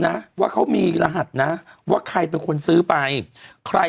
เป็นการกระตุ้นการไหลเวียนของเลือด